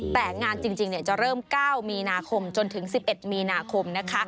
แต่งานจริงจะเริ่ม๙มีนาคมจนถึง๑๑มีนาคมนะคะ